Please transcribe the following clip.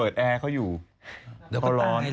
เอาอีกแล้ว